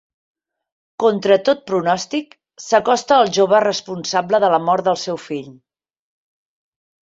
Contra tot pronòstic, s'acosta al jove responsable de la mort del seu fill.